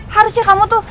harusnya kamu tuh